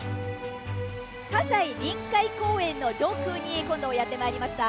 葛西臨海公園の上空にやってきました。